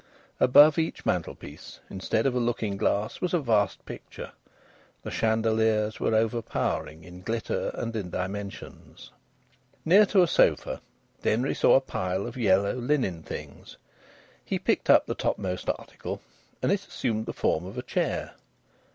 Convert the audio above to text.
Above each mantelpiece, instead of a looking glass, was a vast picture. The chandeliers were overpowering in glitter and in dimensions. Near to a sofa Denry saw a pile of yellow linen things. He picked up the topmost article, and it assumed the form of a chair.